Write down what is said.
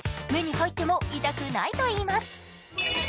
目に入っても痛くないといいます。